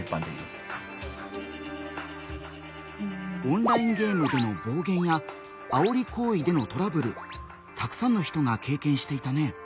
オンラインゲームでの暴言やあおり行為でのトラブルたくさんの人が経験していたね。